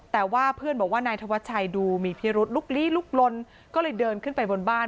แต่ว่าเพื่อนบอกว่านายธวัชชัยดูมีพิรุษลุกลี้ลุกลนก็เลยเดินขึ้นไปบนบ้าน